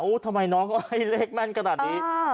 ทำไมน้องเขาให้เลขแม่นขนาดนี้